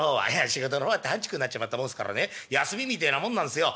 「仕事の方はたんちくになっちまったもんすからね休みみてえなもんなんすよ。